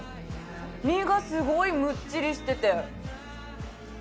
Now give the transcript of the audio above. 身がすごいむっちりしてて。